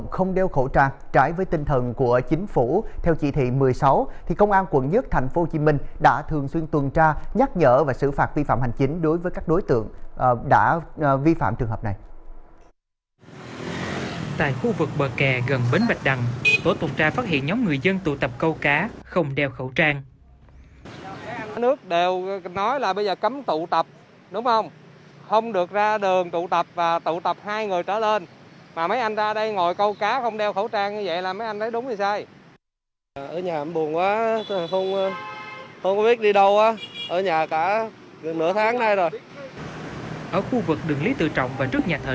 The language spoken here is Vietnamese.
không biết đi đâu ở nhà cả gần nửa tháng nay rồi ở khu vực đường lý tự trọng và trước nhà thờ